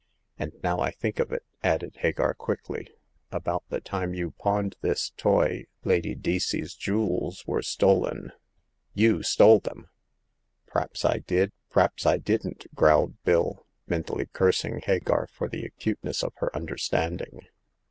And now I think of it," added Hagar, quickly, " about the time you pawned this toy Lady Deacey's jewels were stolen. You stole them !"P'raps I did, p'raps I didn't !" growled Bill, mentally cursing Hagar for the acuteness of her understanding.